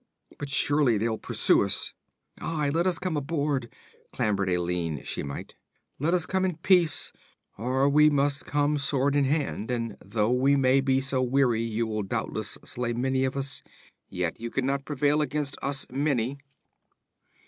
But surely they'll pursue us.' 'Aye, let us come aboard!' clamored a lean Shemite. 'Let us come in peace, or we must come sword in hand, and though we be so weary you will doubtless slay many of us, yet you can not prevail against us many.'